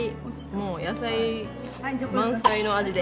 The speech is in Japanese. もう野菜満載の味で。